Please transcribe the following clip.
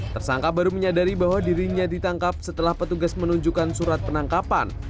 tersangka baru menyadari bahwa dirinya ditangkap setelah petugas menunjukkan surat penangkapan